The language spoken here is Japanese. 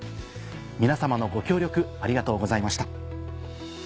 皆さまのご協力ありがとうございました。